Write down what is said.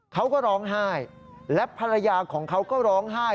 เขาก็ร้องไห้และภรรยาของเขาก็ร้องไห้